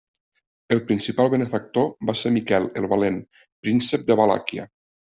El principal benefactor va ser Miquel el Valent, príncep de Valàquia.